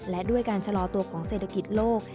และด้วยการชะลอตัวของเศรษฐกิจโลก